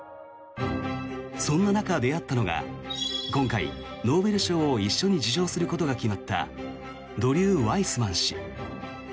そんな中、出会ったのが今回、ノーベル賞を一緒に受賞することが決まったドリュー・ワイスマン氏。